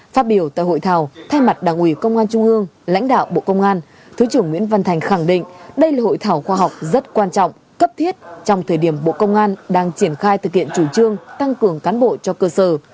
phát biểu tại hội thảo thay mặt đảng ủy công an trung ương lãnh đạo bộ công an thứ trưởng nguyễn văn thành khẳng định đây là hội thảo khoa học rất quan trọng cấp thiết trong thời điểm bộ công an đang triển khai thực hiện chủ trương tăng cường cán bộ cho cơ sở